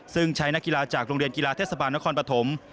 ซึ่งใช้นักกีฬาจากโรงเรียนกีฬาเทศบาลนครปฐม